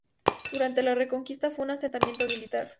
Durante la Reconquista fue un asentamiento militar.